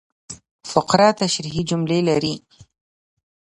فقره تشریحي جملې لري.